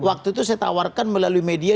waktu itu saya tawarkan melalui media